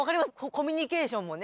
コミュニケーションもね。